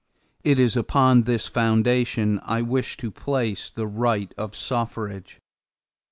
It is upon this foundation I wish to place the right of suffrage.